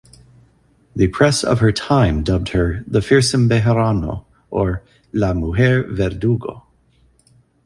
The press of her time dubbed her "The Fearsome Bejarano" or "La Mujer Verdugo".